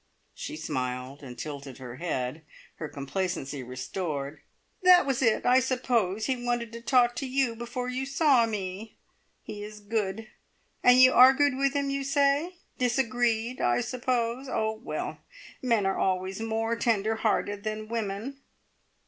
She smiled, and tilted her head, her complacency restored. "That was it, I suppose! He wanted to talk to you before you saw me. He is good. And you argued with him, you say? Disagreed, I suppose. Oh, well men are always more tender hearted than women."